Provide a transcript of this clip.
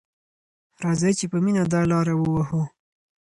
راځئ چې په پوره مینه دا لاره ووهو.